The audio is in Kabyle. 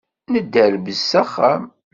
Nedderbez s axxam.